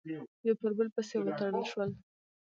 یو پر بل پسې وتړل شول،